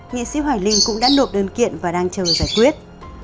nghị sĩ hoài linh cũng đã nộp đơn kiện và đang chờ giải quyết